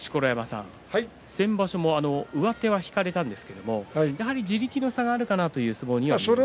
先場所も上手を引かれたんですけれども地力の差があるかなという相撲に見えました。